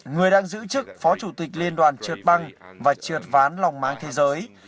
người đang giữ chức phó chủ tịch liên đoàn trượt băng và trượt ván lòng máng thế giới